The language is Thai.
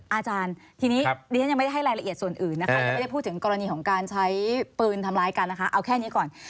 อาจารย์ทีนี้ดิฉันยังไม่ได้ให้รายละเอียดส่วนอื่นนะคะยังไม่ได้พูดถึงกรณีของการใช้ปืนทำร้ายกันนะคะเอาแค่นี้ก่อน